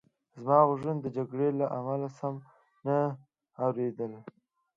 زما غوږونو د جګړې له امله سم نه اورېدل